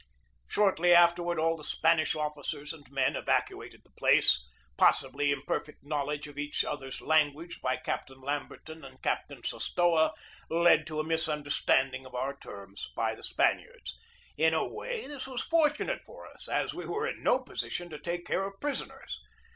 Shortly afterward all the Spanish officers and men evacuated the place. Possibly imperfect knowledge of each other's language by Captain Lamberton and Cap tain Sostoa led to a misunderstanding of our terms by the Spaniards. In a way this was fortunate for us, as we were in no position to take care of prisoners.